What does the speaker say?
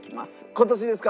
今年ですか？